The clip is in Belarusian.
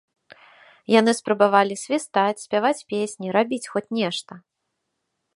Яны спрабавалі свістаць, спяваць песні, рабіць хоць нешта.